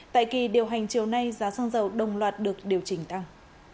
tại kỳ điều hành chiều nay giá xăng dầu đồng loạt được điều chỉnh tăng